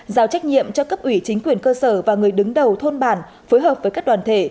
giao trách nhiệm cho cấp ủy chính quyền cơ sở và người đứng đầu thôn bản phối hợp với các đoàn thể